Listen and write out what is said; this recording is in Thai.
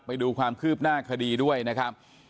ไปดูความคืบหน้าคดีด้วยนะครับ